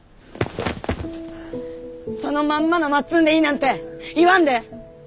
そのまんまのまっつんでいいなんて言わんで！